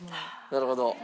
なるほど。